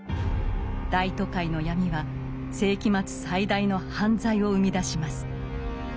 大都会の闇は世紀末最大の犯罪を生み出します。